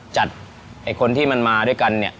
ไอ้คนที่มันมาด้วยกันเนี่ย